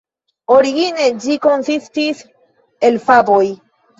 Origine, ĝi konsistis el faboj.